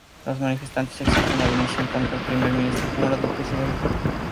Los manifestantes exigen la dimisión tanto del primer ministro como del presidente.